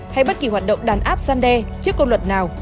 hay bất kỳ hoạt động đàn áp gian đe trước công luật nào